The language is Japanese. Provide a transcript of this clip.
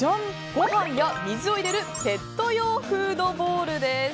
ごはんや水を入れるペット用フードボウルです。